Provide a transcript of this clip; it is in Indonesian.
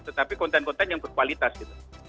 tetapi konten konten yang berkualitas gitu